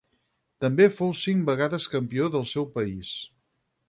També fou cinc vegades campió del seu país.